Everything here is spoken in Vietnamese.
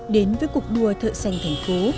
đến với cuộc đua thợ xanh thành phố